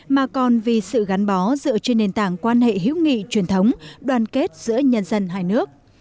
mà còn vì sự gắn bó dựa trên nền tảng quan hệ hữu nghị truyền thống đoàn kết giữa nhân dân hai nước